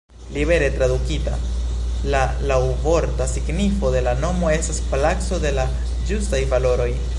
Libere tradukita, la laŭvorta signifo de la nomo estas: "Palaco de la Ĝustaj Valoroj".